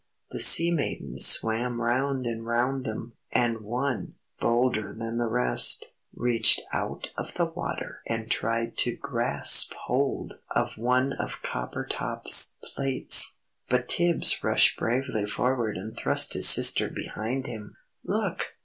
The sea maidens swam round and round them, and one, bolder than the rest, reached out of the water and tried to grasp hold of one of Coppertop's plaits, but Tibbs rushed bravely forward and thrust his sister behind him. "Look!